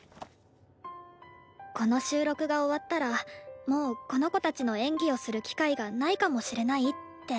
この収録が終わったらもうこの子たちの演技をする機会がないかもしれないって。